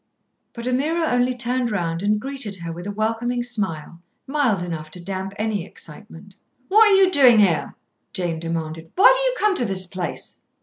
But Ameerah only turned round and greeted her with a welcoming smile, mild enough to damp any excitement. "What are you doing here?" Jane demanded. "Why do you come to this place?"